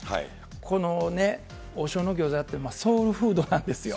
このね、王将の餃子って、ソウルフードなんですよ。